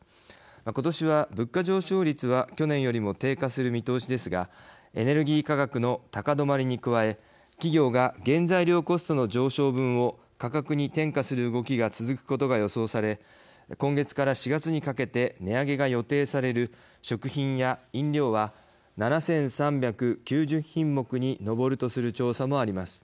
今年は、物価上昇率は去年よりも低下する見通しですがエネルギー価格の高止まりに加え企業が原材料コストの上昇分を価格に転嫁する動きが続くことが予想され今月から４月にかけて値上げが予定される食品や飲料は７３９０品目に上るとする調査もあります。